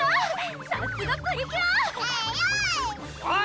おい！